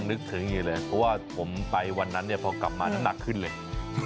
คุณก็ขึ้นนั่งนานแล้วแหละไปคนเดียวนี้ทานหมดทั้งตลาดเลย